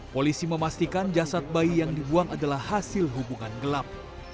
polisi memastikan jasad bayi yang dibuang adalah hasil hubungan gelap